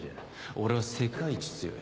俺は世界一強い。